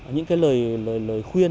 những cái lời khuyên